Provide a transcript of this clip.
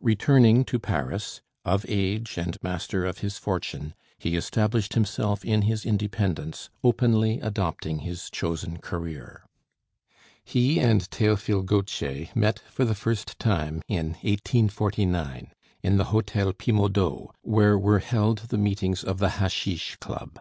Returning to Paris, of age and master of his fortune, he established himself in his independence, openly adopting his chosen career. He and Théophile Gautier met for the first time in 1849, in the Hotel Pimodau, where were held the meetings of the Hashish Club.